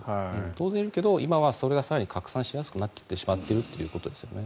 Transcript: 当然いるけど今はそれが拡散しやすくなっているということですよね。